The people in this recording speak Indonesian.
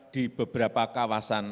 di beberapa kawasan